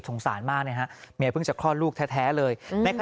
สารมากนะฮะเมียเพิ่งจะคลอดลูกแท้เลย